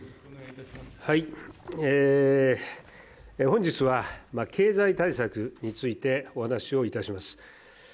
本日は経済対策についてお話をいたします。